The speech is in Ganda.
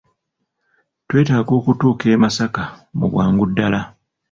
Twetaaga okutuuka e Masaka mu bwangu ddala.